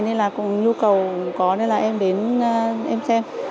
nên là nhu cầu có nên là em đến em xem